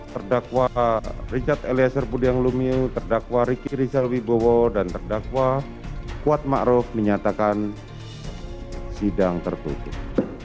terdakwa richard elias serbudiang lumil terdakwa riki rizal wibowo dan terdakwa kuat ma'ruf menyatakan sidang tertutup